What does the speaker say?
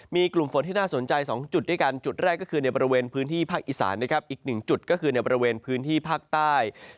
มีกลุ่มฝนที่น่าสนใจ๒จุดด้วยกันจุดแรกก็คือในบริเวณพื้นที่ภาคอีสานนะครับอีกหนึ่งจุดก็คือในบริเวณพื้นที่ภาคใต้